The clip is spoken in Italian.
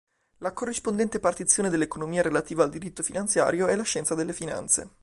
La corrispondente partizione dell'economia relativa al diritto finanziario è la scienza delle finanze.